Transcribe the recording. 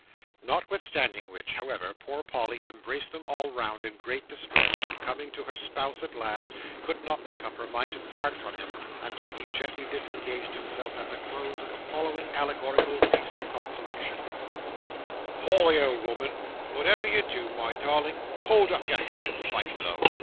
Notwithstanding which, however, poor Polly embraced them all round in great distress, and coming to her spouse at last, could not make up her mind to part from him, until he gently disengaged himself, at the close of the following allegorical piece of consolation: "Polly, old "ooman, whatever you do, my darling, hold up your head and fight low.